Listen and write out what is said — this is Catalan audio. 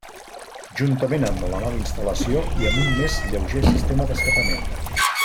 Juntament amb la nova instal·lació, i amb un més lleuger sistema d'escapament.